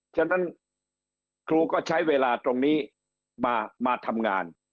ฉะนั้นครูก็ใช้เวลาตรงนี้มาทำงาน